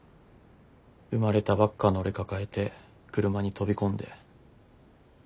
生まれたばっかの俺抱えて車に飛び込んで。